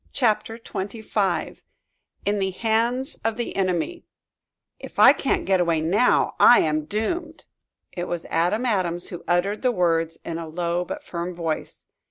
CHAPTER XXV IN THE HANDS OF THE ENEMY "If I can't get away now I am doomed!" It was Adam Adams who uttered the words in a low but firm voice.